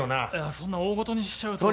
そんな大ごとにしちゃうと。